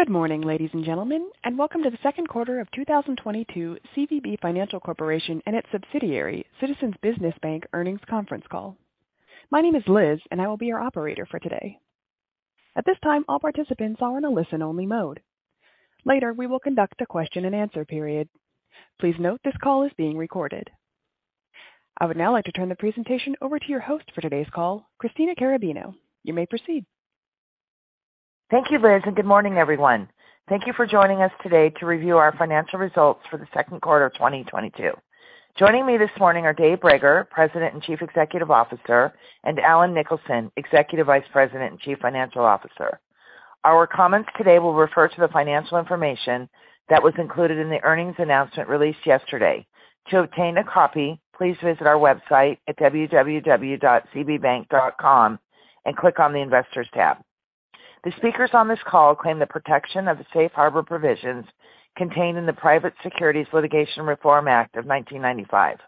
Good morning, ladies and gentlemen, and welcome to the Q2 of 2022 CVB Financial Corp. and its subsidiary, Citizens Business Bank earnings conference call. My name is Liz, and I will be your operator for today. At this time, all participants are in a listen-only mode. Later, we will conduct a question-and-answer period. Please note this call is being recorded. I would now like to turn the presentation over to your host for today's call, Christina Carrabino. You may proceed. Thank you, Liz, and good morning, everyone. Thank you for joining us today to review our financial results for the Q2 of 2022. Joining me this morning are Dave Brager, President and Chief Executive Officer, and Allen Nicholson, Executive Vice President and Chief Financial Officer. Our comments today will refer to the financial information that was included in the earnings announcement released yesterday. To obtain a copy, please visit our website at www.cbbank.com and click on the Investors tab. The speakers on this call claim the protection of the safe harbor provisions contained in the Private Securities Litigation Reform Act of 1995.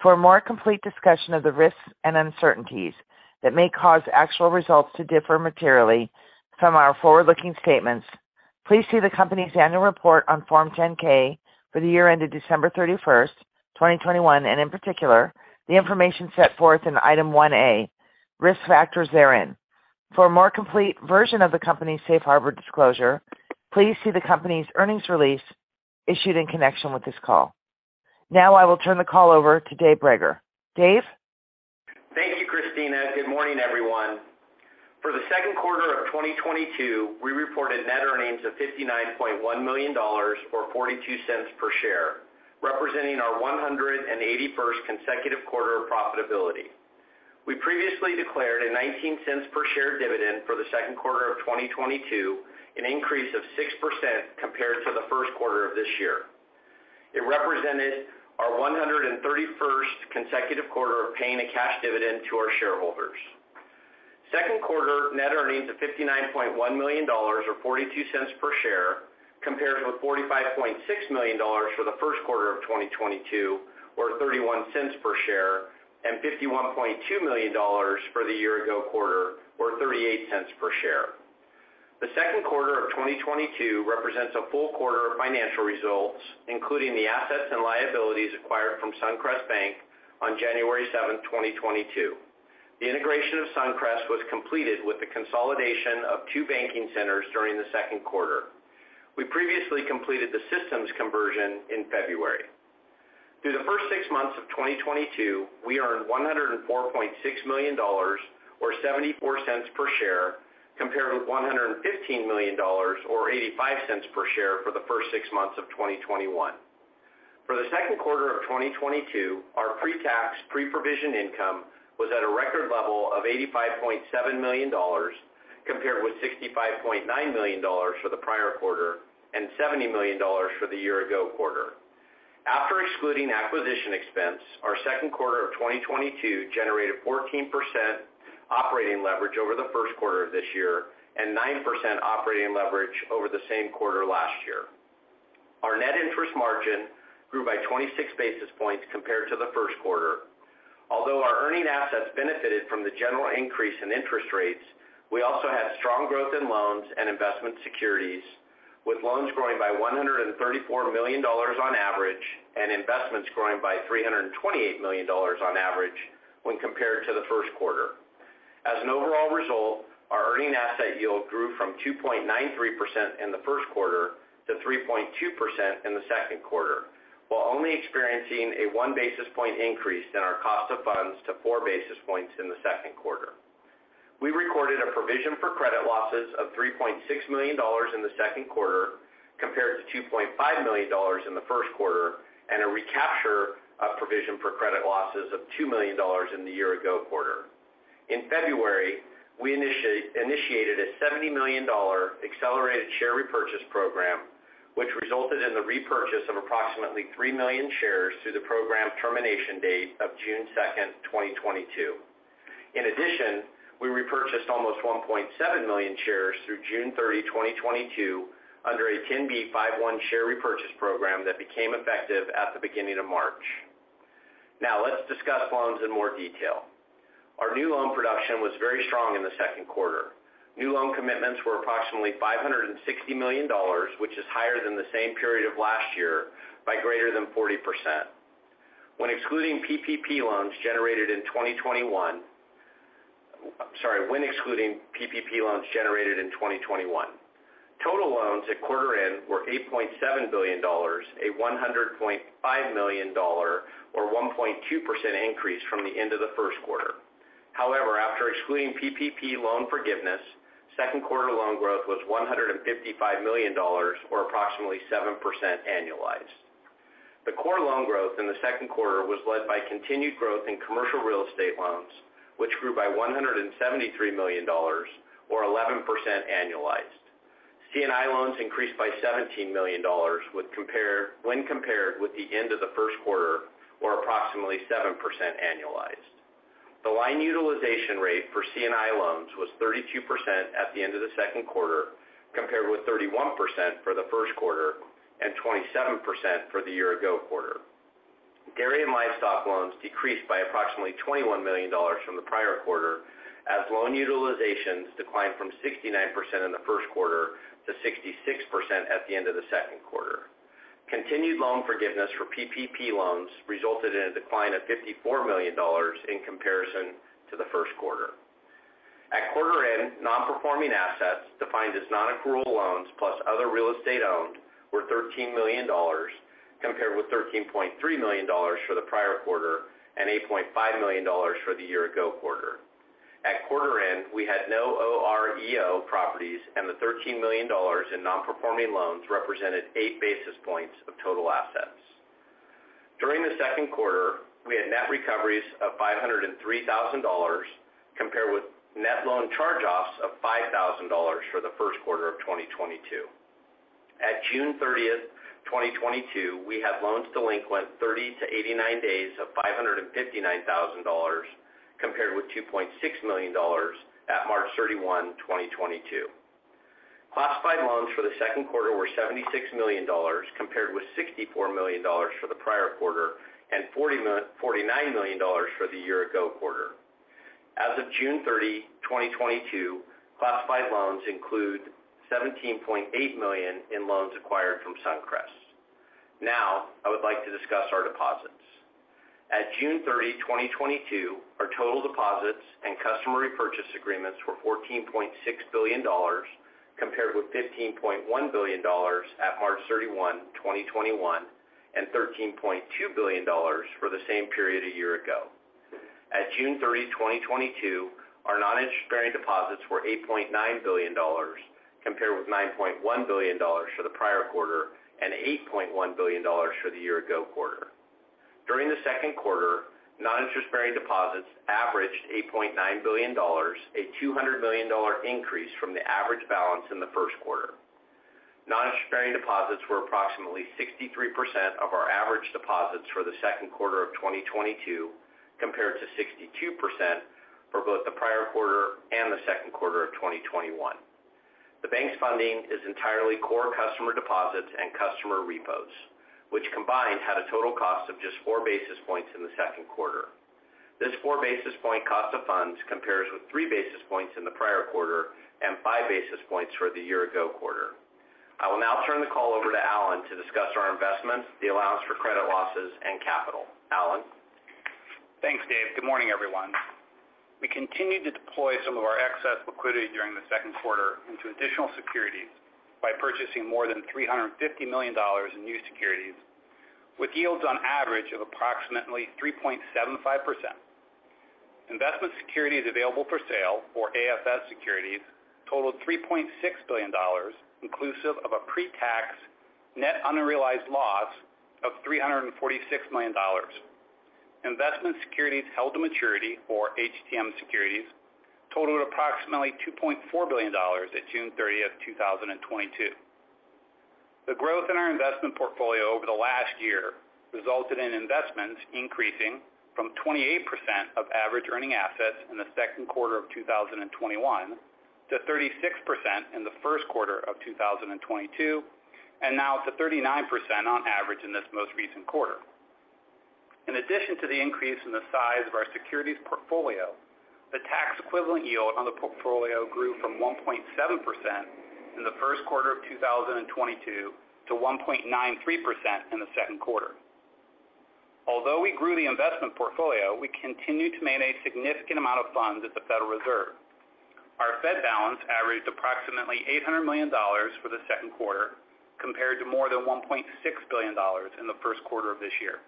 For a more complete discussion of the risks and uncertainties that may cause actual results to differ materially from our forward-looking statements, please see the company's annual report on Form 10-K for the year ended December 31, 2021, and in particular, the information set forth in Item 1A, Risk Factors therein. For a more complete version of the company's safe harbor disclosure, please see the company's earnings release issued in connection with this call. Now I will turn the call over to Dave Brager. Dave? Thank you, Christina. Good morning, everyone. For the Q2 of 2022, we reported net earnings of $59.1 million or $0.42 per share, representing our 181st consecutive quarter of profitability. We previously declared a $0.19 per share dividend for the Q2 of 2022, an increase of 6% compared to the Q1 of this year. It represented our 131st consecutive quarter of paying a cash dividend to our shareholders. Q2 net earnings of $59.1 million or $0.42 per share compares with $45.6 million for the Q1 of 2022 or $0.31 per share, and $51.2 million for the year ago quarter or $0.38 per share. The Q2 of 2022 represents a full quarter of financial results, including the assets and liabilities acquired from Suncrest Bank on January 7, 2022. The integration of Suncrest was completed with the consolidation of two banking centers during the Q2. We previously completed the systems conversion in February. Through the first six months of 2022, we earned $104.6 million or $0.74 per share, compared with $115 million or $0.85 per share for the first six months of 2021. For the Q2 of 2022, our pre-tax, pre-provision income was at a record level of $85.7 million, compared with $65.9 million for the prior quarter and $70 million for the year-ago quarter. After excluding acquisition expense, ourQ2 of 2022 generated 14% operating leverage over the Q1 of this year and 9% operating leverage over the same quarter last year. Our net interest margin grew by 26 basis points compared to the Q1. Although our earning assets benefited from the general increase in interest rates, we also had strong growth in loans and investment securities, with loans growing by $134 million on average and investments growing by $328 million on average when compared to theQ1. As an overall result, our earning asset yield grew from 2.93% in the Q1 to 3.2% in the Q2, while only experiencing a 1 basis point increase in our cost of funds to 4 basis points in the Q2. We recorded a provision for credit losses of $3.6 million in the Q2 compared to $2.5 million in the Q1, and a recapture of provision for credit losses of $2 million in the year ago quarter. In February, we initiated a $70 million accelerated share repurchase program, which resulted in the repurchase of approximately 3 million shares through the program termination date of June 2, 2022. In addition, we repurchased almost 1.7 million shares through June 30, 2022 under a 10b5-1 share repurchase program that became effective at the beginning of March. Now, let's discuss loans in more detail. Our new loan production was very strong in the Q2. New loan commitments were approximately $560 million, which is higher than the same period of last year by greater than 40%. When excluding PPP loans generated in 2021. Total loans at quarter end were $8.7 billion, a $100.5 million-dollar or 1.2% increase from the end of the Q1. However, after excluding PPP loan forgiveness, Q2 loan growth was $155 million or approximately 7% annualized. The core loan growth in the Q2 was led by continued growth in commercial real estate loans, which grew by $173 million or 11% annualized. C&I loans increased by $17 million when compared with the end of the Q1 or approximately 7% annualized. The line utilization rate for C&I loans was 32% at the end of the Q2, compared with 31% for the Q1 and 27% for the year ago quarter. Dairy and livestock loans decreased by approximately $21 million from the prior quarter as loan utilizations declined from 69% in the Q1 to 66% at the end of the Q2. Continued loan forgiveness for PPP loans resulted in a decline of $54 million in comparison to the Q1. At quarter end, non-performing assets defined as nonaccrual loans plus other real estate owned were $13 million compared with $13.3 million for the prior quarter and $8.5 million for the year ago quarter. At quarter end, we had no OREO properties, and the $13 million in non-performing loans represented 8 basis points of total assets. During the Q2, we had net recoveries of $503 thousand compared with net loan charge-offs of $5 thousand for the Q1 of 2022. At June 30, 2022, we had loans delinquent 30-89 days of $559 thousand compared with $2.6 million at March 31, 2022. Classified loans for the Q2 were $76 million compared with $64 million for the prior quarter and $49 million for the year ago quarter. As of June 30, 2022, classified loans include $17.8 million in loans acquired from Suncrest. Now I would like to discuss our deposits. At June 30, 2022, our total deposits and customer repurchase agreements were $14.6 billion compared with $15.1 billion at March 31, 2021, and $13.2 billion for the same period a year ago. At June 30, 2022, our non-interest-bearing deposits were $8.9 billion compared with $9.1 billion for the prior quarter and $8.1 billion for the year ago quarter. During the Q2, non-interest-bearing deposits averaged $8.9 billion, a $200 million increase from the average bAllence in the Q1. Non-interest-bearing deposits were approximately 63% of our average deposits for the Q2 of 2022, compared to 62% for both the prior quarter and the Q2 of 2021. The bank's funding is entirely core customer deposits and customer repos, which combined had a total cost of just four basis points in the Q2. This four basis point cost of funds compares with three basis points in the prior quarter and five basis points for the year ago quarter. I will now turn the call over to Allen to discuss our investments, the allowance for credit losses, and capital. Allen? Thanks, Dave. Good morning, everyone. We continued to deploy some of our excess liquidity during the Q2 into additional securities by purchasing more than $350 million in new securities with yields on average of approximately 3.75%. Investment securities available for sale or AFS securities totaled $3.6 billion, inclusive of a pre-tax net unrealized loss of $346 million. Investment securities held to maturity or HTM securities totaled approximately $2.4 billion at June 30, 2022. The growth in our investment portfolio over the last year resulted in investments increasing from 28% of average earning assets in the Q2 of 2021 to 36% in the Q1 of 2022, and now to 39% on average in this most recent quarter. In addition to the increase in the size of our securities portfolio, the tax equivalent yield on the portfolio grew from 1.7% in the Q1 of 2022 to 1.93% in the Q2. Although we grew the investment portfolio, we continued to maintain a significant amount of funds at the Federal Reserve. Our Fed bAllence averaged approximately $800 million for the Q2, compared to more than $1.6 billion in the Q1 of this year.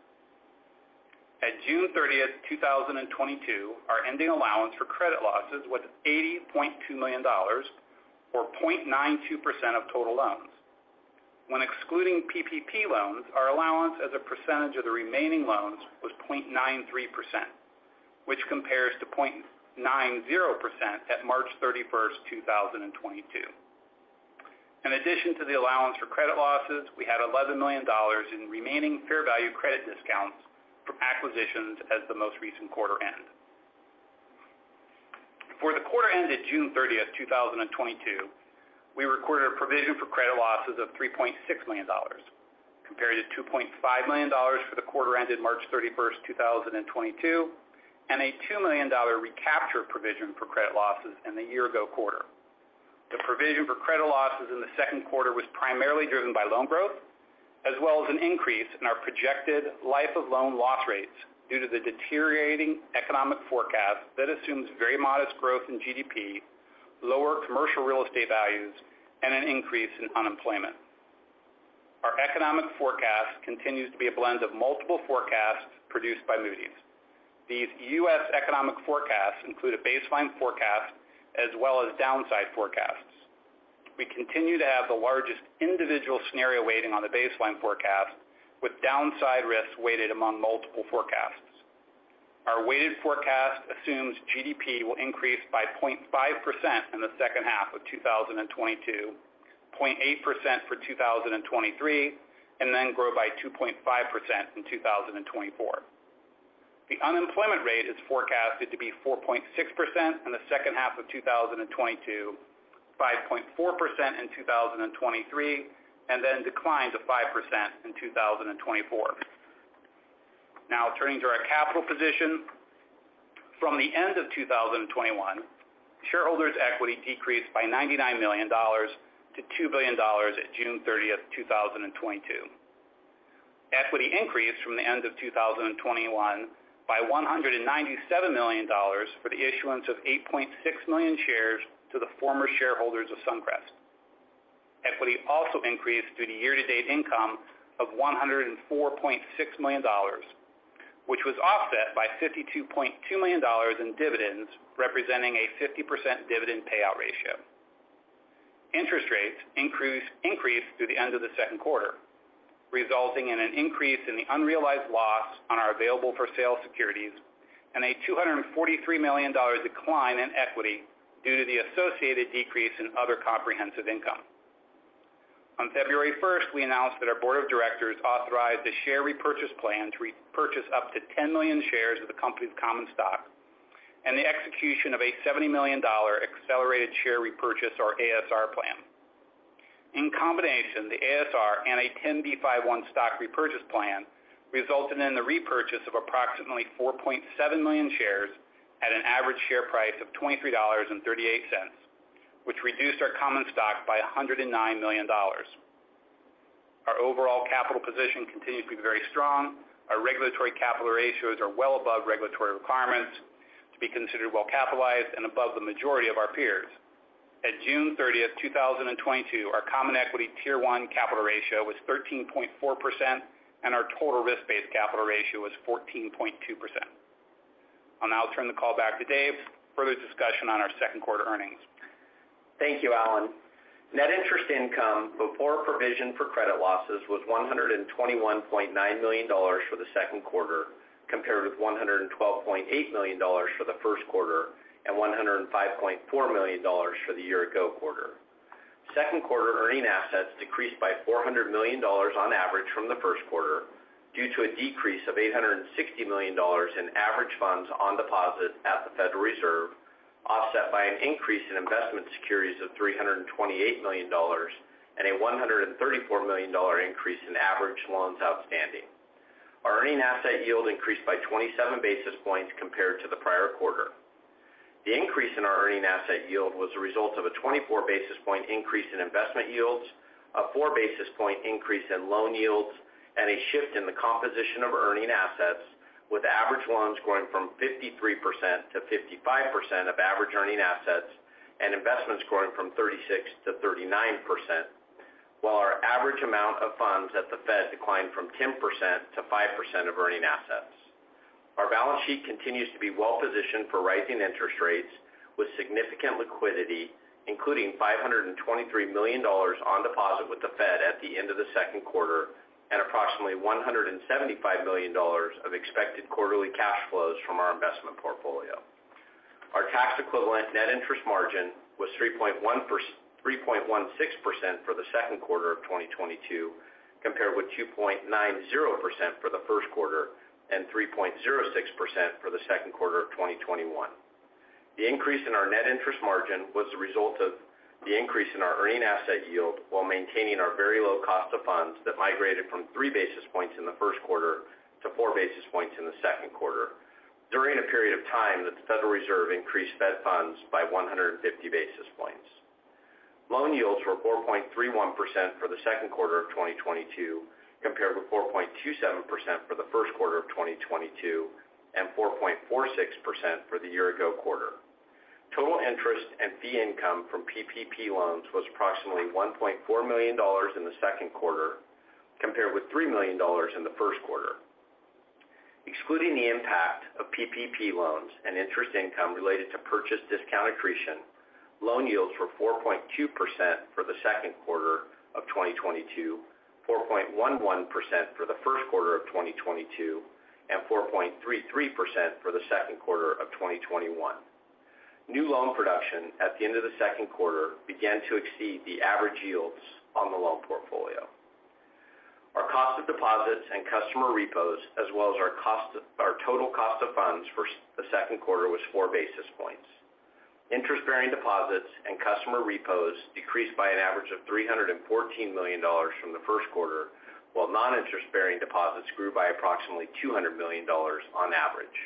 At June 30, 2022, our ending allowance for credit losses was $80.2 million or 0.92% of total loans. When excluding PPP loans, our allowance as a percentage of the remaining loans was 0.93%, which compares to 0.90% at March 31, 2022. In addition to the allowance for credit losses, we had $11 million in remaining fair value credit discounts from acquisitions as of the most recent quarter end. For the quarter ended June 30, 2022, we recorded a provision for credit losses of $3.6 million compared to $2.5 million for the quarter ended March 31, 2022, and a $2 million recapture provision for credit losses in the year ago quarter. The provision for credit losses in the Q2 was primarily driven by loan growth as well as an increase in our projected life of loan loss rates due to the deteriorating economic forecast that assumes very modest growth in GDP, lower commercial real estate values, and an increase in unemployment. Our economic forecast continues to be a blend of multiple forecasts produced by Moody's. These US economic forecasts include a baseline forecast as well as downside forecasts. We continue to have the largest individual scenario weighting on the baseline forecast with downside risks weighted among multiple forecasts. Our weighted forecast assumes GDP will increase by 0.5% in the second half of 2022, 0.8% for 2023, and then grow by 2.5% in 2024. The unemployment rate is forecasted to be 4.6% in the second half of 2022, 5.4% in 2023, and then decline to 5% in 2024. Now turning to our capital position. From the end of 2021, shareholders' equity decreased by $99 million to $2 billion at June 30, 2022. Equity increased from the end of 2021 by $197 million for the issuance of 8.6 million shares to the former shareholders of Suncrest. Equity also increased due to year-to-date income of $104.6 million, which was offset by $52.2 million in dividends, representing a 50% dividend payout ratio. Interest rates increased through the end of the Q2, resulting in an increase in the unrealized loss on our available for sale securities and a $243 million decline in equity due to the associated decrease in other comprehensive income. On February first, we announced that our board of directors authorized a share repurchase plan to repurchase up to 10 million shares of the company's common stock and the execution of a $70 million accelerated share repurchase or ASR plan. In combination, the ASR and a 10b5-1 stock repurchase plan resulted in the repurchase of approximately 4.7 million shares at an average share price of $23.38, which reduced our common stock by $109 million. Our overall capital position continues to be very strong. Our regulatory capital ratios are well above regulatory requirements to be considered well capitalized and above the majority of our peers. At June 30, 2022, our Common Equity Tier 1 capital ratio was 13.4%, and our total risk-based capital ratio was 14.2%. I'll now turn the call back to Dave for further discussion on ourQ2 earnings. Thank you, Allen. Net interest income before provision for credit losses was $121.9 million for the Q2 compared with $112.8 million for the Q1 and $105.4 million for the year ago quarter. Q2 earning assets decreased by $400 million on average from the Q1 due to a decrease of $860 million in average funds on deposit at the Federal Reserve, offset by an increase in investment securities of $328 million and a $134 million increase in average loans outstanding. Our earning asset yield increased by 27 basis points compared to the prior quarter. The increase in our earning asset yield was a result of a 24 basis point increase in investment yields, a 4 basis point increase in loan yields, and a shift in the composition of earning assets, with average loans growing from 53% to 55% of average earning assets and investments growing from 36% to 39%, while our average amount of funds at the Fed declined from 10% to 5% of earning assets. Our bAllence sheet continues to be well positioned for rising interest rates with significant liquidity, including $523 million on deposit with the Fed at the end of the Q2 and approximately $175 million of expected quarterly cash flows from our investment portfolio. Our tax equivalent net interest margin was 3.16% for the Q2 of 2022 compared with 2.90% for the Q1 and 3.06% for the Q2 of 2021. The increase in our net interest margin was the result of the increase in our earning asset yield while maintaining our very low cost of funds that migrated from 3 basis points in the Q1 to 4 basis points in the Q2 during a period of time that the Federal Reserve increased Fed funds by 150 basis points. Loan yields were 4.31% for theQ2 of 2022 compared with 4.27% for the Q1 of 2022 and 4.46% for the year ago quarter. Total interest and fee income from PPP loans was approximately $1.4 million in the Q2 compared with $3 million in theQ1. Excluding the impact of PPP loans and interest income related to purchase discount accretion, loan yields were 4.2% for the Q2 of 2022, 4.11% for the Q1 of 2022, and 4.33% for the Q2 of 2021. New loan production at the end of the Q2 began to exceed the average yields on the loan portfolio. Our cost of deposits and customer repos, as well as our total cost of funds for the Q2 was 4 basis points. Interest-bearing deposits and customer repos decreased by an average of $314 million from the Q1, while non-interest-bearing deposits grew by approximately $200 million on average.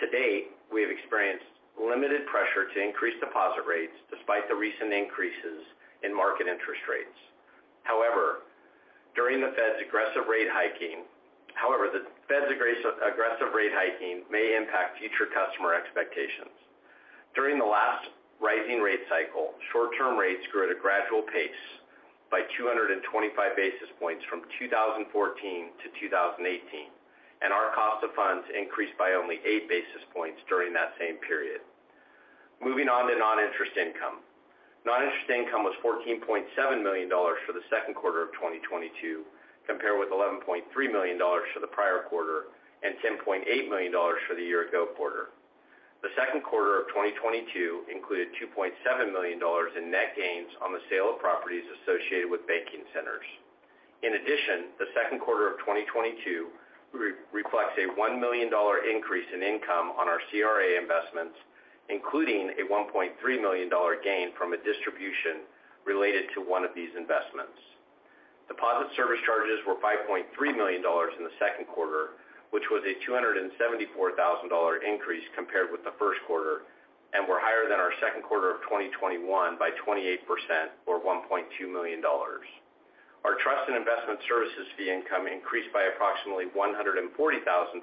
To date, we have experienced limited pressure to increase deposit rates despite the recent increases in market interest rates. However, the Fed's aggressive rate hiking may impact future customer expectations. During the last rising rate cycle, short-term rates grew at a gradual pace by 225 basis points from 2014 to 2018, and our cost of funds increased by only 8 basis points during that same period. Moving on to non-interest income. Non-interest income was $14.7 million for the Q2 of 2022, compared with $11.3 million for the prior quarter and $10.8 million for the year ago quarter. The Q2 of 2022 included $2.7 million in net gains on the sale of properties associated with banking centers. In addition, the Q2 of 2022 reflects a $1 million increase in income on our CRA investments, including a $1.3 million gain from a distribution related to one of these investments. Deposit service charges were $5.3 million in the Q2, which was a $274,000 increase compared with the Q1 and were higher than our Q2 of 2021 by 28% or $1.2 million. Our trust and investment services fee income increased by approximately $140 thousand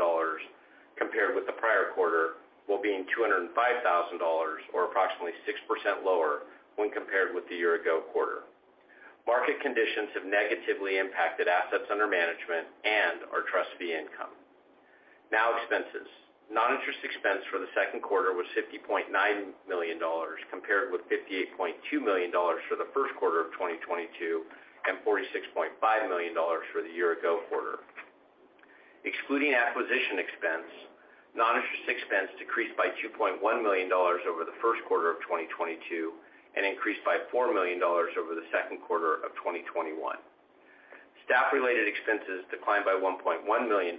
compared with the prior quarter, while being $205 thousand or approximately 6% lower when compared with the year ago quarter. Market conditions have negatively impacted assets under management and our trust fee income. Now expenses. Non-interest expense for the Q2 was $50.9 million, compared with $58.2 million for the Q1 of 2022 and $46.5 million for the year ago quarter. Excluding acquisition expense, non-interest expense decreased by $2.1 million over the Q1 of 2022 and increased by $4 million over the Q2 of 2021. Staff-related expenses declined by $1.1 million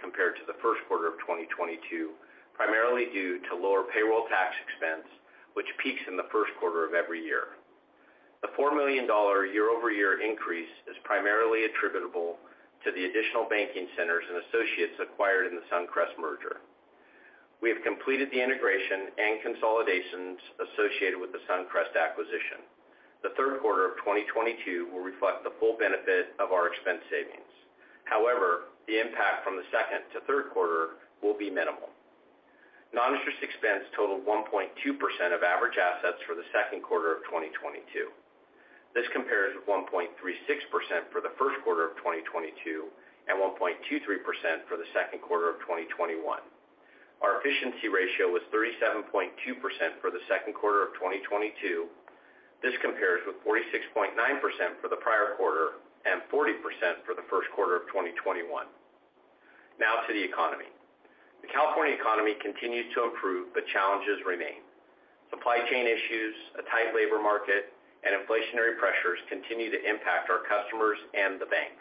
compared to the Q1 of 2022, primarily due to lower payroll tax expense, which peaks in the Q1 of every year. The $4 million year-over-year increase is primarily attributable to the additional banking centers and associates acquired in the Suncrest merger. We have completed the integration and consolidations associated with the Suncrest acquisition. The Q3 of 2022 will reflect the full benefit of our expense savings. However, the impact from the second to Q3 will be minimal. Noninterest expense totaled 1.2% of average assets for the Q2 of 2022. This compares 1.36% for the Q1 of 2022 and 1.23% for the Q2 of 2021. Our efficiency ratio was 37.2% for the Q2 of 2022. This compares with 46.9% for the prior quarter and 40% for theQ1 of 2021. Now to the economy. The California economy continues to improve, but challenges remain. Supply chain issues, a tight labor market, and inflationary pressures continue to impact our customers and the bank.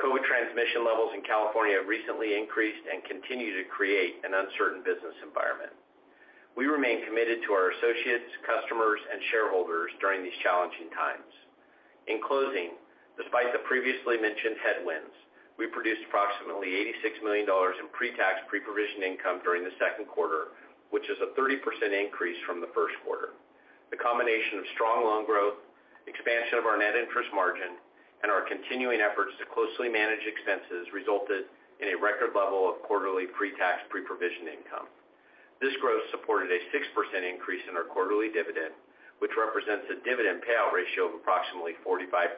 COVID transmission levels in California have recently increased and continue to create an uncertain business environment. We remain committed to our associates, customers, and shareholders during these challenging times. In closing, despite the previously mentioned headwinds, we produced approximately $86 million in pre-tax, pre-provision income during the Q2, which is a 30% increase from the Q1. The combination of strong loan growth, expansion of our net interest margin, and our continuing efforts to closely manage expenses resulted in a record level of quarterly pre-tax, pre-provision income. This growth supported a 6% increase in our quarterly dividend, which represents a dividend payout ratio of approximately 45%.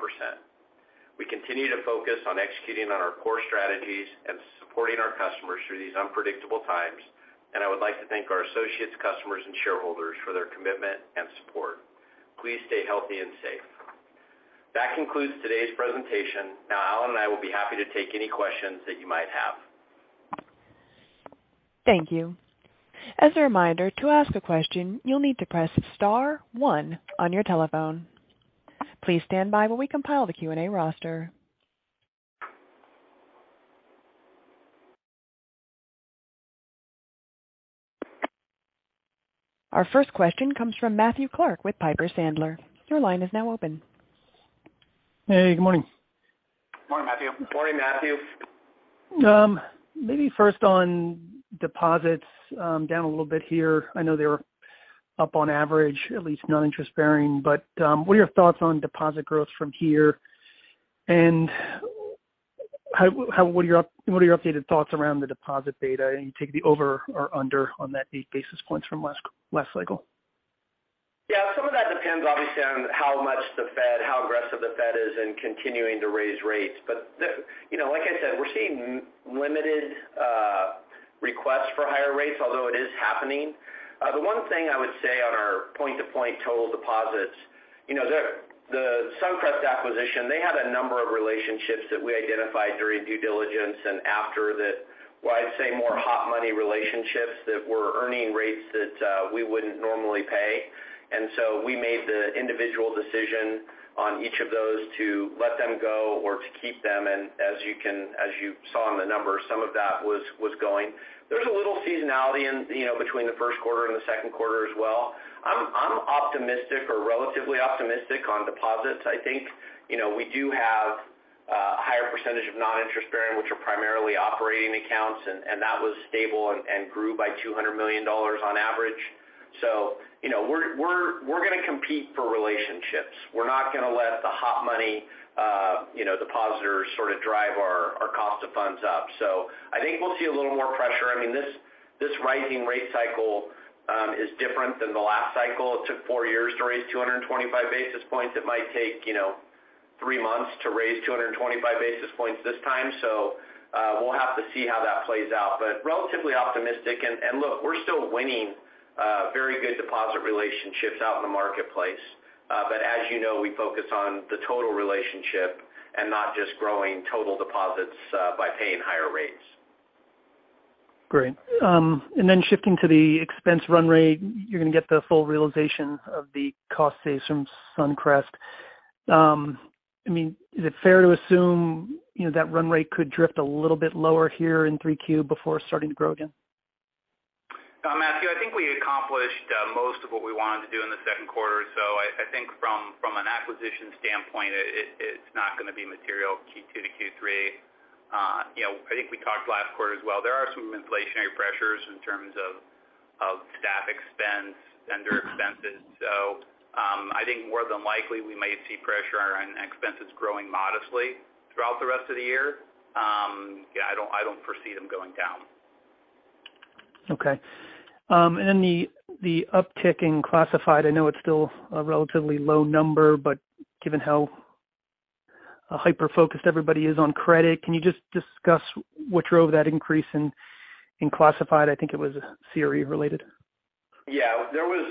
We continue to focus on executing on our core strategies and supporting our customers through these unpredictable times, and I would like to thank our associates, customers, and shareholders for their commitment and support. Please stay healthy and safe. That concludes today's presentation. Now, Allen and I will be happy to take any questions that you might have. Thank you. As a reminder, to ask a question, you'll need to press star one on your telephone. Please stand by while we compile the Q&A roster. Our first question comes from Matthew Clark with Piper Sandler. Your line is now open. Hey, good morning. Morning, Matthew. Morning, Matthew. Maybe first on deposits, down a little bit here. I know they were up on average, at least non-interest-bearing, but what are your thoughts on deposit growth from here and how, what are your updated thoughts around the deposit data, and you take the over or under on that 8 basis points from last cycle? Yeah, some of that depends obviously on how much the Fed, how aggressive the Fed is in continuing to raise rates. You know, like I said, we're seeing limited requests for higher rates, although it is happening. The one thing I would say on our point-to-point total deposits the Suncrest acquisition, they had a number of relationships that we identified during due diligence and after that, well, I'd say more hot money relationships that were earning rates that we wouldn't normally pay. We made the individual decision on each of those to let them go or to keep them. As you saw in the numbers, some of that was going. There's a little seasonality in between the Q1 and the Q2 as well. I'm optimistic or relatively optimistic on deposits. We do have a higher percentage of non-interest bearing, which are primarily operating accounts, and that was stable and grew by $200 million on average. You know, we're gonna compete for relationships. We're not gonna let the hot money depositors sort of drive our cost of funds up. I think we'll see a little more pressure. I mean, this rising rate cycle is different than the last cycle. It took four years to raise 225 basis points. It might take three months to raise 225 basis points this time. We'll have to see how that plays out. Relatively optimistic. Look, we're still winning good deposit relationships out in the marketplace. As you know, we focus on the total relationship and not just growing total deposits by paying higher rates. Great. Shifting to the expense run rate, you're gonna get the full realization of the cost saves from Suncrest. I mean, is it fair to assume, you know, that run rate could drift a little bit lower here in 3Q before starting to grow again? Matthew, I think we accomplished most of what we wanted to do in the Q2. I think from an acquisition standpoint, it's not gonna be material Q2 to Q3. We talked last quarter as well. There are some inflationary pressures in terms of staff expense, vendor expenses. I think more than likely we might see pressure on expenses growing modestly throughout the rest of the year. Yeah, I don't foresee them going down. Okay. Then the uptick in classified, I know it's still a relatively low number, but given how hyper-focused everybody is on credit, can you just discuss what drove that increase in classified? I think it was CRE related. Yeah. There was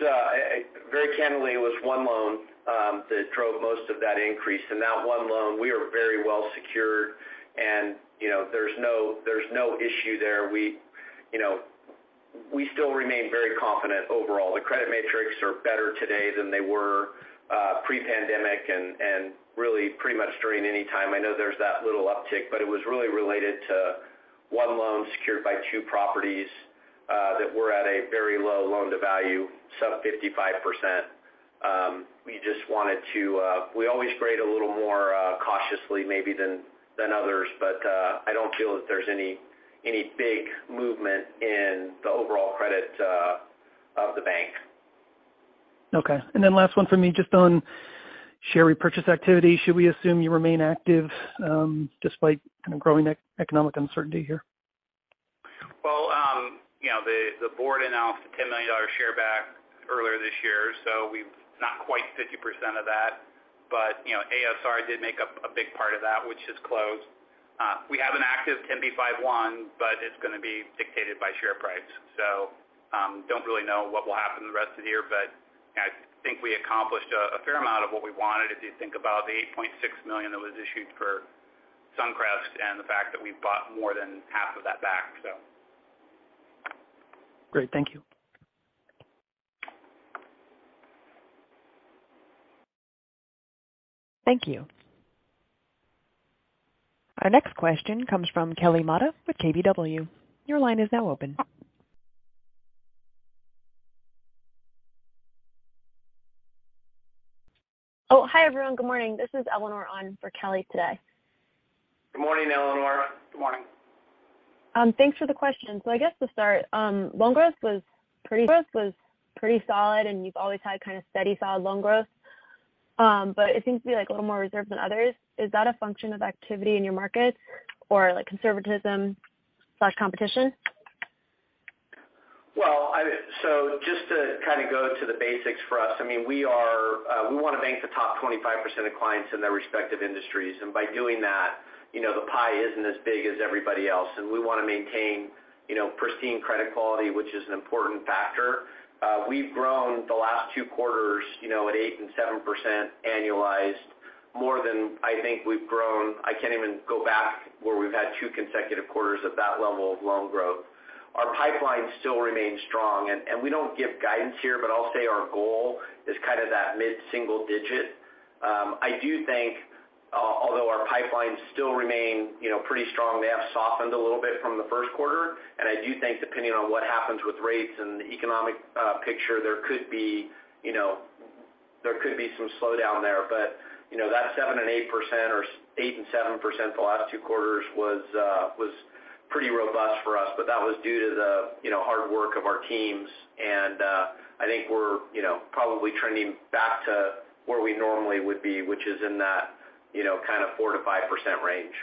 very candidly, it was one loan that drove most of that increase. In that one loan, we are very well secured and there's no issue there. We still remain very confident overall. The credit metrics are better today than they were pre-pandemic and really pretty much during any time. I know there's that little uptick, but it was really related to one loan secured by two properties that were at a very low loan-to-value, sub 55%. We just wanted to, we always grade a little more cautiously maybe than others, but I don't feel that there's any big movement in the overall credit of the bank. Okay. Last one for me, just on share repurchase activity. Should we assume you remain active, despite kind of growing economic uncertainty here? Well the board announced a $10 million share buyback earlier this year, so we've not quite 50% of that. You know, ASR did make up a big part of that, which is closed. We have an active 10b5-1, but it's gonna be dictated by share price. Don't really know what will happen the rest of the year, but I think we accomplished a fair amount of what we wanted if you think about the $8.6 million that was issued for Suncrest and the fact that we bought more than half of that back, so. Great. Thank you. Thank you. Our next question comes from Kelly Motta with KBW. Your line is now open. Oh, hi, everyone. Good morning. This is Eleanor on for Kelly today. Good morning, Eleanor. Good morning. Thanks for the question. To start, growth was pretty solid, and you've always had kind of steady, solid loan growth. It seems to be, like, a little more reserved than others. Is that a function of activity in your market or, like, conservatism or competition? Just to go to the basics for us. We want to bank the top 25% of clients in their respective industries, and by doing that the pie isn't as big as everybody else. We want to maintain pristine credit quality, which is an important factor. We've grown the last two quarters at 8% and 7% annualized more than I think we've grown. I can't even go back where we've had two consecutive quarters of that level of loan growth. Our pipeline still remains strong and we don't give guidance here, but I'll say our goal is kind of that mid-single digit. I do think, although our pipelines still remain pretty strong, they have softened a little bit from the Q1. I do think depending on what happens with rates and the economic picture, there could be some slowdown there. You know, that 7% and 8% or 8% and 7% the last two quarters was pretty robust for us. That was due to the hard work of our teams. I think we're probably trending back to where we normally would be, which is in that kind of 4%-5% range.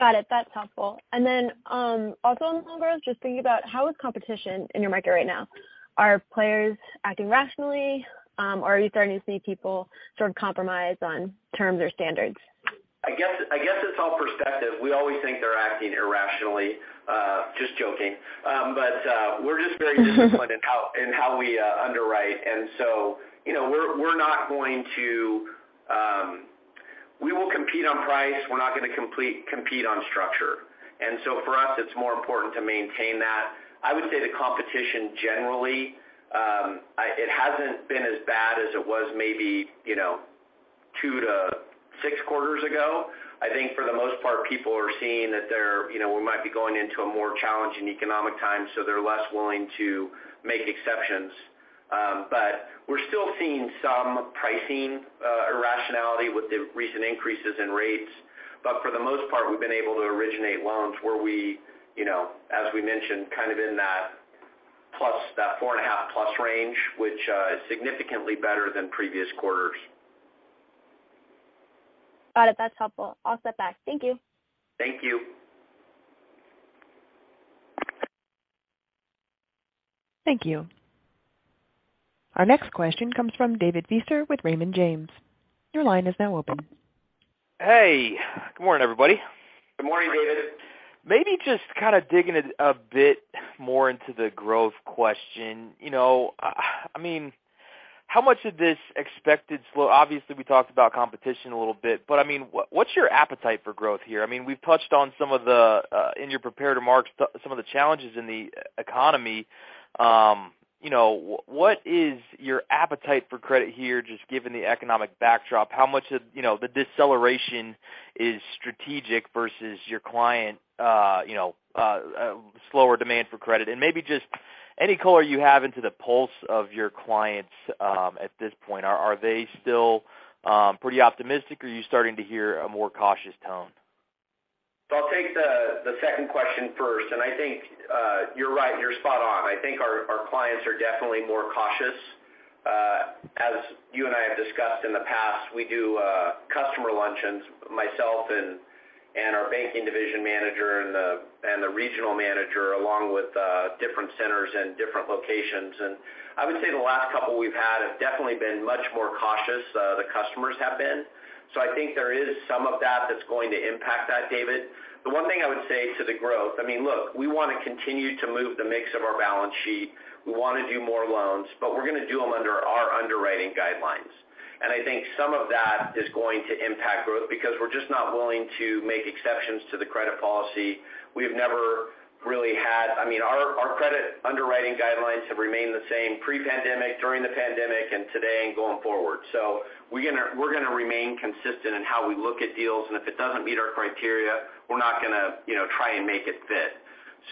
Got it. That's helpful. Also on the loan growth, just thinking about how is competition in your market right now? Are players acting rationally? Are you starting to see people sort of compromise on terms or standards? It's all perspective. We always think they're acting irrationally. Just joking. We're just very disciplined in how we underwrite. We're not going to. We will compete on price. We're not gonna compete on structure. For us, it's more important to maintain that. I would say the competition generally, it hasn't been as bad as it was maybe two to six quarters ago. For the most part, people are seeing that we might be going into a more challenging economic time, so they're less willing to make exceptions. We're still seeing some pricing irrationality with the recent increases in rates. For the most part, we've been able to originate loans where we, you know, as we mentioned, kind of in that 4.5%+ range, which is significantly better than previous quarters. Got it. That's helpful. I'll step back. Thank you. Thank you. Thank you. Our next question comes from David Feaster with Raymond James. Your line is now open. Hey, good morning, everybody. Good morning, David. Maybe just kind of digging it a bit more into the growth question, how much of this expected slowdown. Obviously, we talked about competition a little bit, but what's your appetite for growth here? We've touched on some of the, in your prepared remarks, some of the challenges in the economy. What is your appetite for credit here, just given the economic backdrop? How much of the deceleration is strategic versus your client slower demand for credit? Maybe just any color you have into the pulse of your clients, at this point. Are they still pretty optimistic? Are you starting to hear a more cautious tone? I'll take the second question first. I think you're right, you're spot on. Our clients are definitely more cautious. As you and I have discussed in the past, we do customer luncheons, myself and our banking division manager and the regional manager, along with different centers and different locations. I would say the last couple we've had have definitely been much more cautious, the customers have been. I think there is some of that that's going to impact that, David. The one thing I would say to the growth, I mean, look, we wanna continue to move the mix of our bAllence sheet. We wanna do more loans, but we're gonna do them under our underwriting guidelines. Some of that is going to impact growth because we're just not willing to make exceptions to the credit policy. We've never really I mean, our credit underwriting guidelines have remained the same pre-pandemic, during the pandemic, and today and going forward, so we're gonna remain consistent in how we look at deals, and if it doesn't meet our criteria, we're not gonna try and make it fit.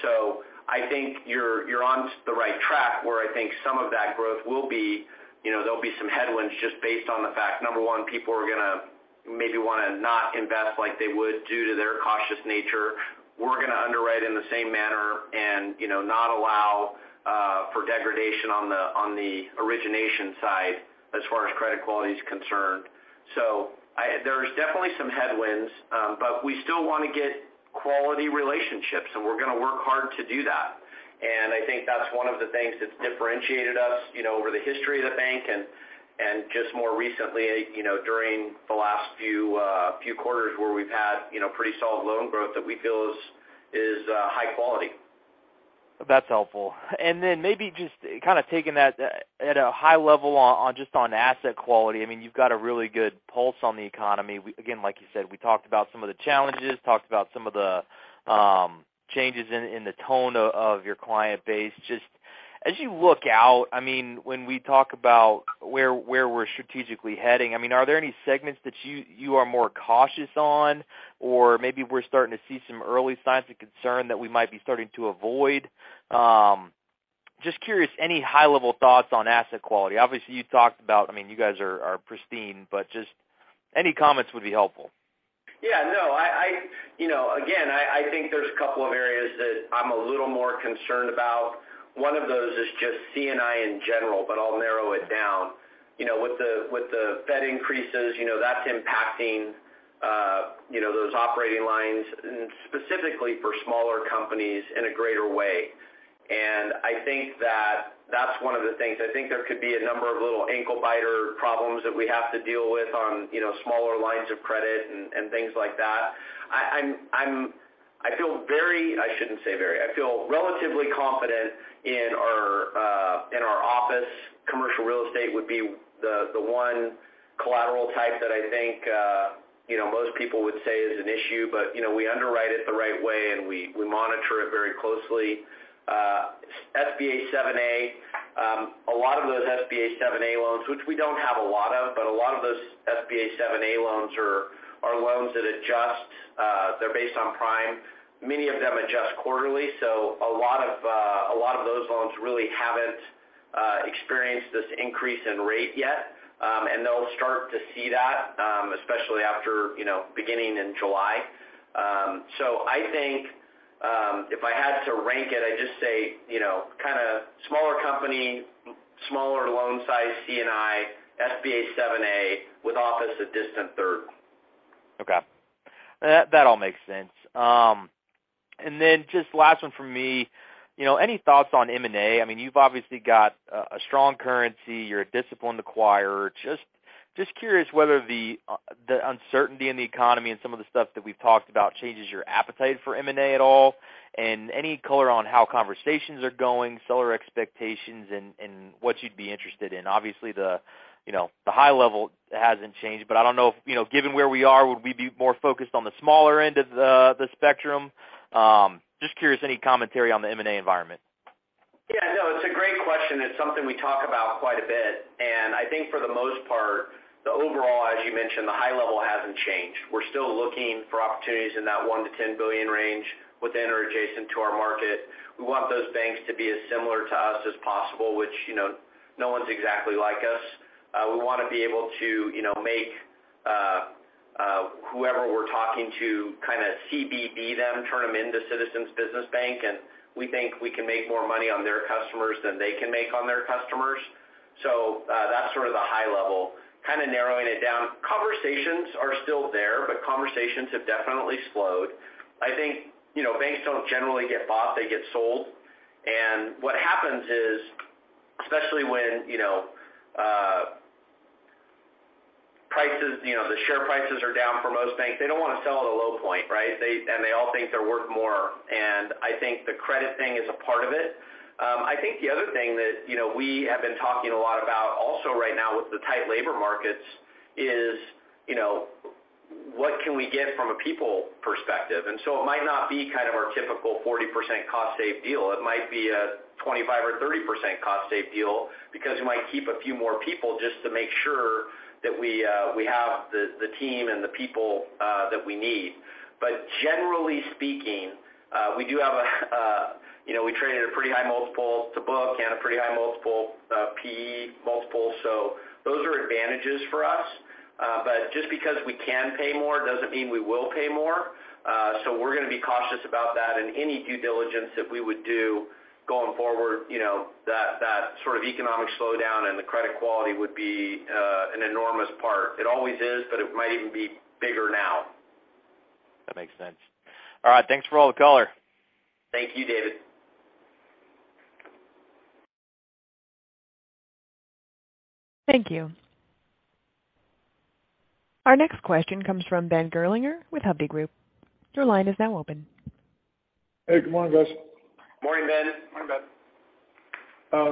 You're on the right track, where there'll be some headwinds just based on the fact, number one, people are gonna maybe wanna not invest like they would due to their cautious nature. We're gonna underwrite in the same manner and not allow for degradation on the origination side as far as credit quality is concerned. There's definitely some headwinds, but we still wanna get quality relationships, and we're gonna work hard to do that. That's one of the things that's differentiated us over the history of the bank and just more recently during the last few quarters where we've had pretty solid loan growth that we feel is high quality. That's helpful. Maybe just kind of taking that at a high level on asset quality. You've got a really good pulse on the economy. Again, like you said, we talked about some of the challenges, talked about some of the changes in the tone of your client base. Just as you look out when we talk about where we're strategically heading, are there any segments that you are more cautious on? Or maybe we're starting to see some early signs of concern that we might be starting to avoid. Just curious, any high-level thoughts on asset quality? Obviously, you talked about you guys are pristine, but just any comments would be helpful. Yeah, no. YAgain, I think there's a couple of areas that I'm a little more concerned about. One of those is just C&I in general, but I'll narrow it down. With the Fed increases that's impacting, you know, those operating lines, and specifically for smaller companies in a greater way. That that's one of the things. I think there could be a number of little ankle-biter problems that we have to deal with on smaller lines of credit and things like that. I'm I shouldn't say very. I feel relatively confident in our overall. Commercial real estate would be the one collateral type that I think most people would say is an issue. We underwrite it the right way, and we monitor it very closely. SBA 7(a), a lot of those SBA 7(a) loans, which we don't have a lot of, but a lot of those SBA 7(a) loans are loans that adjust. They're based on prime. Many of them adjust quarterly, so a lot of those loans really haven't experienced this increase in rate yet. They'll start to see that, especially after you know, beginning in July. I think if I had to rank it, I'd just say kinda smaller company, smaller loan size C&I, SBA 7(a) with office a distant third. Okay. That all makes sense. Just last one from me. Any thoughts on M&A? I mean, you've obviously got a strong currency. You're a disciplined acquirer. Just curious whether the uncertainty in the economy and some of the stuff that we've talked about changes your appetite for M&A at all, and any color on how conversations are going, seller expectations and what you'd be interested in. Obviously the high level hasn't changed, but I don't know if, given where we are, would we be more focused on the smaller end of the spectrum? Just curious, any commentary on the M&A environment? Yeah, no, it's a great question. It's something we talk about quite a bit. I think for the most part, the overall, as you mentioned, the high level hasn't changed. We're still looking for opportunities in that 1-10 billion range within or adjacent to our market. We want those banks to be as similar to us as possible, which no one's exactly like us. We wanna be able to, you know, make, whoever we're talking to kinda CVB them, turn them into Citizens Business Bank, and we think we can make more money on their customers than they can make on their customers. Conversations are still there, but conversations have definitely slowed. Banks don't generally get bought, they get sold. What happens is, especially when prices the share prices are down for most banks, they don't want to sell at a low point, right? They all think they're worth more. I think the credit thing is a part of it. I think the other thing that we have been talking a lot about also right now with the tight labor markets is what can we get from a people perspective? So it might not be kind of our typical 40% cost save deal. It might be a 25% or 30% cost save deal because we might keep a few more people just to make sure that we have the team and the people that we need. Generally speaking, we do have a we traded a pretty high multiple to book and a pretty high multiple, P/E multiple, so those are advantages for us. Just because we can pay more doesn't mean we will pay more. We're gonna be cautious about that. Any due diligence that we would do going forward that sort of economic slowdown and the credit quality would be an enormous part. It always is, but it might even be bigger now. That makes sense. All right. Thanks for all the color. Thank you, David. Thank you. Our next question comes from Ben Gerlinger with Hovde Group. Your line is now open. Hey, g`ood morning, guys. Morning, Ben. Morning,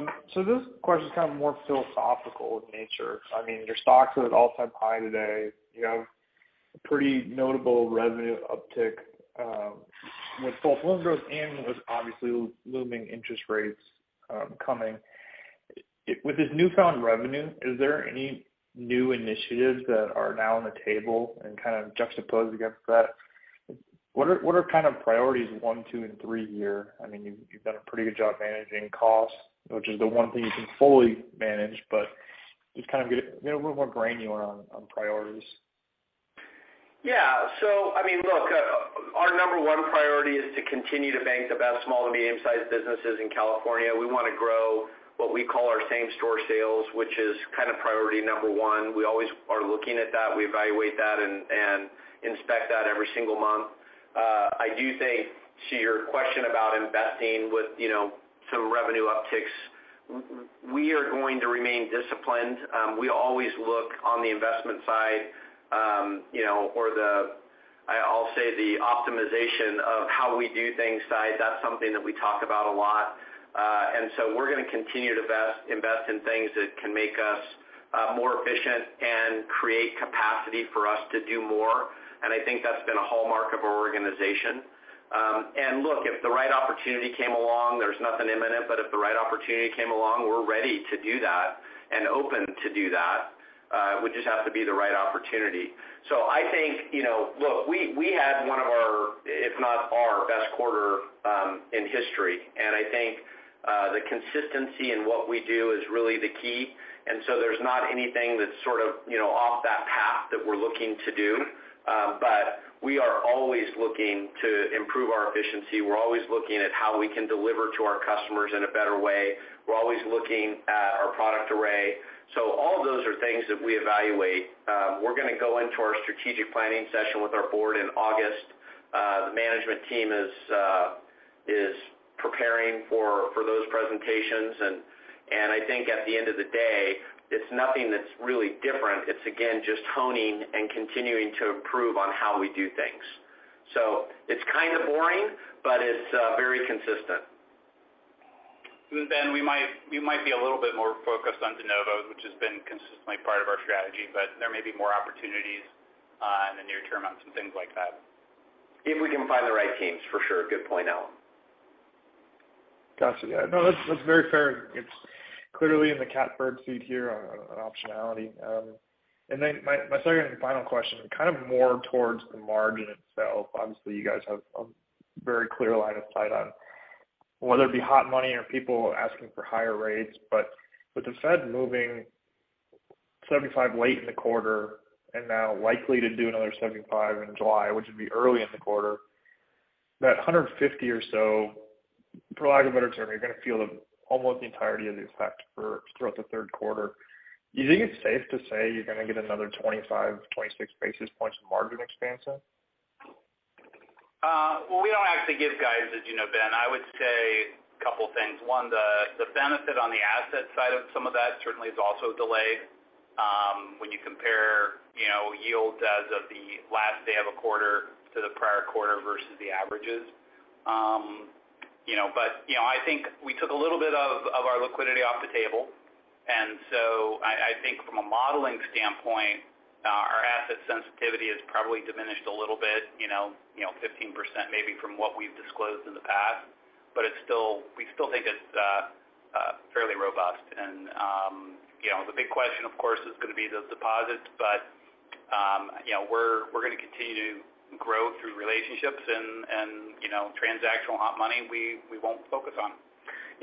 Ben. This question is kind of more philosophical in nature. Your stocks are at all-time high today. You have a pretty notable revenue uptick with both loan growth and with obviously looming interest rates coming. With this newfound revenue, is there any new initiatives that are now on the table and kind of juxtaposed against that? What are kind of priorities one, two, and three here? I mean, you've done a pretty good job managing costs, which is the one thing you can fully manage, but just kind of get a little more granular on priorities. Yeah. Look, our number one priority is to continue to bank the best small to medium-sized businesses in California. We want to grow what we call our same store sales, which is kind of priority number one. We always are looking at that. We evaluate that and inspect that every single month. I do think to your question about investing with, you know, some revenue upticks, we are going to remain disciplined. We always look on the investment side or I'll say the optimization of how we do things side. That's something that we talk about a lot. We're gonna continue to invest in things that can make us more efficient and create capacity for us to do more. I think that's been a hallmark of our organization. Look, if the right opportunity came along, there's nothing imminent, but if the right opportunity came along, we're ready to do that and open to do that. It would just have to be the right opportunity. Look, we had one of our, if not our best quarter, in history. I think, the consistency in what we do is really the key. There's not anything that's sort of, you know, off that path that we're looking to do. We are always looking to improve our efficiency. We're always looking at how we can deliver to our customers in a better way. We're always looking at our product array. All of those are things that we evaluate. We're gonna go into our strategic planning session with our board in August. The management team is preparing for those presentations. I think at the end of the day, it's nothing that's really different. It's again just honing and continuing to improve on how we do things. It's kind of boring, but it's very consistent. Ben, we might be a little bit more focused on de novo, which has been consistently part of our strategy, but there may be more opportunities in the near term on some things like that. If we can find the right teams, for sure. Good point, Allen. Got you. No, that's very fair. It's clearly in the catbird seat here on optionality. And then my second and final question, kind of more towards the margin itself. Obviously, you guys have a very clear line of sight on whether it be hot money or people asking for higher rates. But with the Fed moving 75 late in the quarter and now likely to do another 75 in July, which would be early in the quarter, that 150 or so, for lack of a better term, you're going to feel almost the entirety of the effect throughout the Q3. Do you think it's safe to say you're gonna get another 25, 26 basis points of margin expansion? We don't actually give guidance as you know, Ben. I would say a couple of things. One, the benefit on the asset side of some of that certainly is also delayed when you compare, you know, yields as of the last day of a quarter to the prior quarter versus the averages. We took a little bit of our liquidity off the table. I think from a modeling standpoint, our asset sensitivity has probably diminished a little bit, you know, 15% maybe from what we've disclosed in the past. It's still we still think it's fairly robust. The big question, of course, is going to be the deposits. We're gonna continue to grow through relationships and, you know, transactional hot money we won't focus on.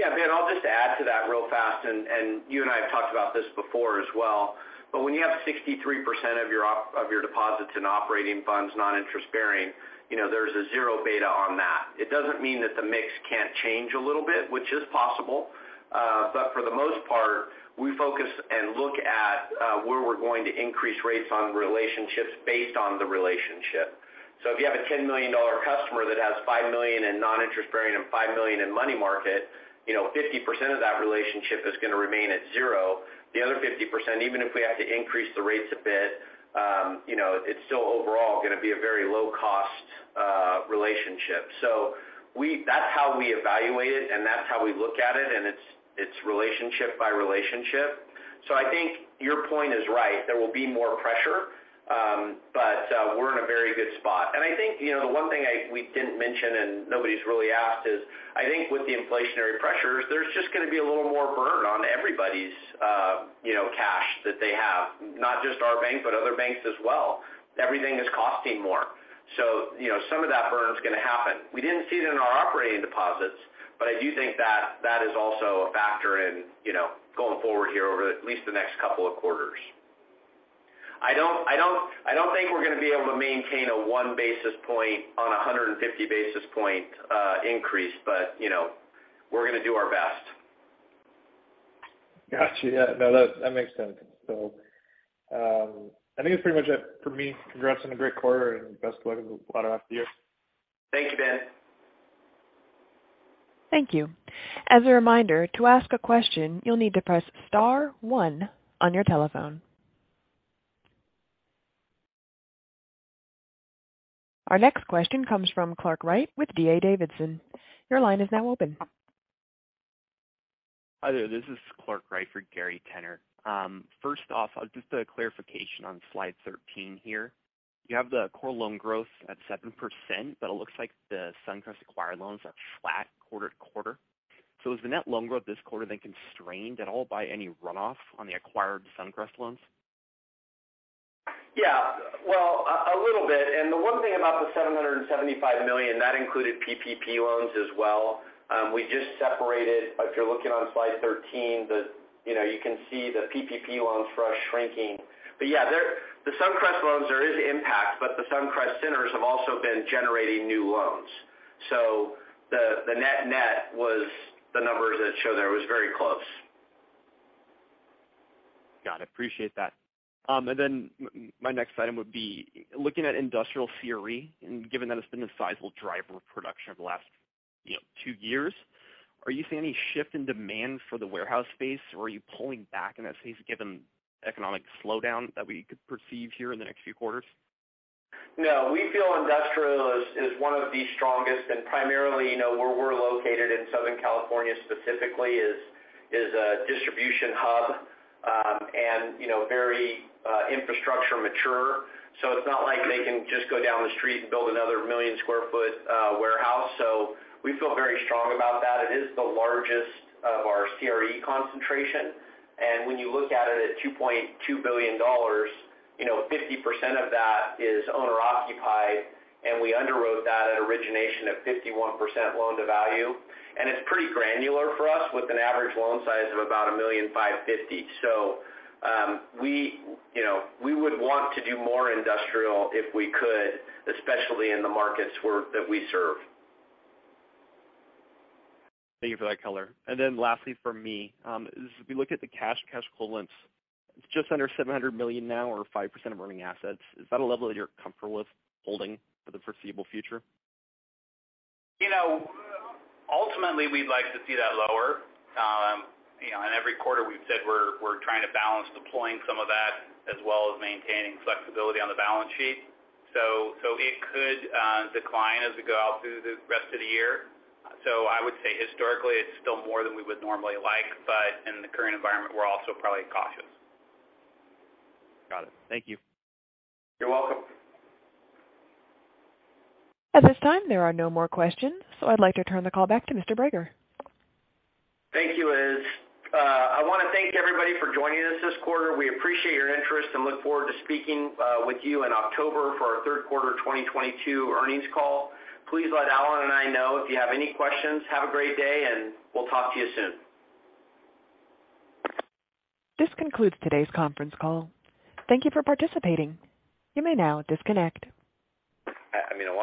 Yeah. Ben, I'll just add to that real fast, and you and I have talked about this before as well. When you have 63% of your operating funds, non-interest bearing, you know, there's a zero beta on that. It doesn't mean that the mix can't change a little bit, which is possible. For the most part, we focus and look at where we're going to increase rates on relationships based on the relationship. If you have a $10 million customer that has $5 million in non-interest bearing and $5 million in money market, you know, 50% of that relationship is gonna remain at zero. The other 50%, even if we had to increase the rates a bit, you know, it's still overall gonna be a very low cost relationship. That's how we evaluate it and that's how we look at it, and it's relationship by relationship. I think your point is right, there will be more pressure, but we're in a very good spot. I think, you know, the one thing we didn't mention and nobody's really asked is, I think with the inflationary pressures, there's just gonna be a little more burn on everybody's, you know, cash that they have. Not just our bank, but other banks as well. Everything is costing more. You know, some of that burn is gonna happen. We didn't see it in our operating deposits, but I do think that is also a factor in going forward here over at least the next couple of quarters. I don't think we're gonna be able to maintain a 1 basis point on a 150 basis point increase, but you know, we're gonna do our best. Got you. Yeah. No, that makes sense. I think it's pretty much it for me. Congrats on a great quarter and best luck in the latter half of the year. Thank you, Ben. Thank you. As a reminder, to ask a question, you'll need to press star one on your telephone. Our next question comes from Clark Wright with D.A. Davidson. Your line is now open. Hi there, this is Clark Wright for Gary Tenner. First off, just a clarification on slide 13 here. You have the core loan growth at 7%, but it looks like the Suncrest acquired loans are flat quarter-over-quarter. Is the net loan growth this quarter then constrained at all by any runoff on the acquired Suncrest loans? Yeah. Well, a little bit. The one thing about the $775 million, that included PPP loans as well. We just separated. If you're looking on slide 13, you know, you can see the PPP loans for us shrinking. Yeah, there the Suncrest loans, there is impact, but the Suncrest centers have also been generating new loans. The net-net was the numbers that show there. It was very close. Got it. Appreciate that. My next item would be looking at industrial CRE, and given that it's been a sizable driver of production over the last two years, are you seeing any shift in demand for the warehouse space? Or are you pulling back in that space given economic slowdown that we could perceive here in the next few quarters? No, we feel industrial is one of the strongest. Primarily, you know, where we're located in Southern California specifically is a distribution hub, and you know, very mature infrastructure. It's not like they can just go down the street and build another 1 million sq ft warehouse. We feel very strong about that. It is the largest of our CRE concentration. When you look at it at $2.2 billion 50% of that is owner occupied, and we underwrote that at origination of 51% loan to value. It's pretty granular for us with an average loan size of about $1.55 million. We you know we would want to do more industrial if we could, especially in the markets that we serve. Thank you for that color. Lastly from me, as we look at the cash equivalents, it's just under $700 million now or 5% of earning assets. Is that a level that you're comfortable with holding for the foreseeable future? Ultimately, we'd like to see that lower. Every quarter we've said we're trying to bAllence deploying some of that as well as maintaining flexibility on the bAllence sheet. It could decline as we go out through the rest of the year. I would say historically, it's still more than we would normally like, but in the current environment, we're also probably cautious. Got it. Thank you. You're welcome. At this time, there are no more questions, so I'd like to turn the call back to Mr. Brager. Thank you, Liz. I wanna thank everybody for joining us this quarter. We appreciate your interest and look forward to speaking with you in October for our Q3 2022 earnings call. Please let Allen and I know if you have any questions. Have a great day, and we'll talk to you soon. This concludes today's conference call. Thank you for participating. You may now disconnect. I mean, Allen